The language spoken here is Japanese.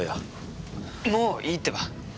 もういいってば。